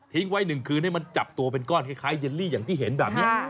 ไว้๑คืนให้มันจับตัวเป็นก้อนคล้ายเยลลี่อย่างที่เห็นแบบนี้